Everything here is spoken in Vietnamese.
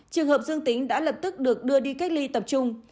trường hợp dương tính đã lập tức được đưa đi cách ly tập trung